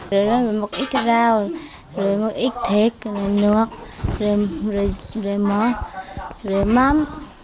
rồi lấy một ít rau rồi một ít thịt rồi nước rồi mắm